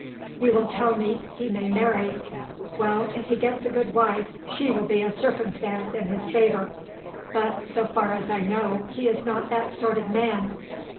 You will tell me, he may marry. Well! if he gets a good wife she will be a circumstance in his favour. But, so far as I know, he is not that sort of man.